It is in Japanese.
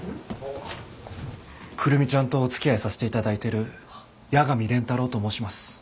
久留美ちゃんとおつきあいさせていただいてる八神蓮太郎と申します。